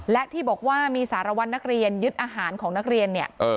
และที่บอกว่ามีสารวัตรนักเรียนยึดอาหารของนักเรียนเนี่ย